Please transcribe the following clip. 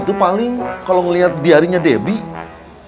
itu paling kalau ngelihat diarinya debbie